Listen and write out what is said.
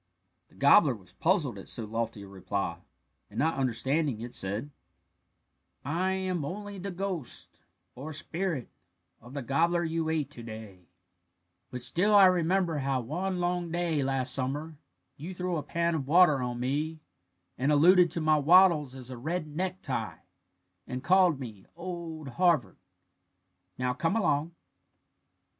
The gobbler was puzzled at so lofty a reply, and not understanding it, said: "I am only the ghost, or spirit, of the gobbler you ate to day, but still I remember how one day last summer you threw a pan of water on me, and alluded to my wattles as a red necktie, and called me 'Old Harvard,' Now, come along!"